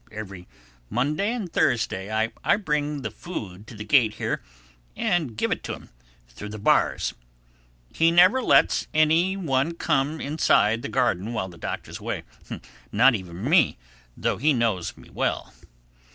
Every Monday and Thursday I bring the food to the gate here and give it him through the bars. He never lets any one come inside the garden while the Doctor's away—not even me, though he knows me well.